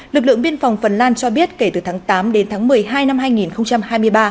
lực lượng biên phòng phần lan cho biết kể từ tháng tám đến tháng một mươi hai năm hai nghìn hai mươi ba